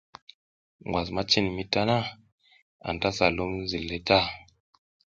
Ngwas ma cin mi tana, anta sa lum zil ta.